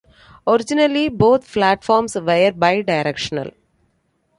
Originally, both platforms were bi-directional.